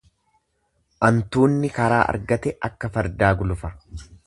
Antuunni karaa argate akka fardaa gulufa.